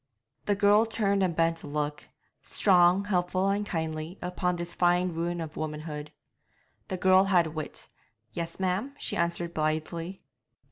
The girl turned and bent a look strong, helpful, and kindly upon this fine ruin of womanhood. The girl had wit 'Yes, ma'am?' she answered blithely.